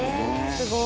「すごい！」